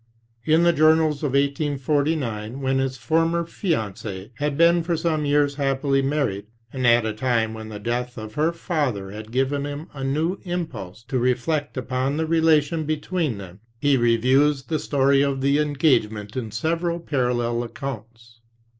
In the journals of 1849, when his former fiancee had been for some years happily married, and at a time when the death of her father had given him a new impulse to reflect upon the relation between them, he reviews the story of the engagement in several parallel 10 accounts.